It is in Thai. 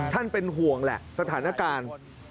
เป็นห่วงแหละสถานการณ์